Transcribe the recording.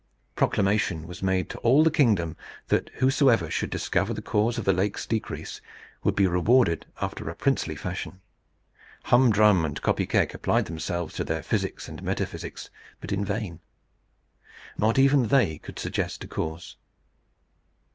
Proclamation was made to all the kingdom, that whosoever should discover the cause of the lake's decrease, would be rewarded after a princely fashion. Hum Drum and Kopy Keck applied themselves to their physics and metaphysics; but in vain. Not even they could suggest a cause.